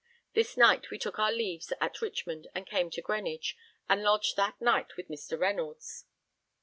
This night we took our leaves at Richmond and came to Greenwich, and lodged that night with Mr. Reynolds.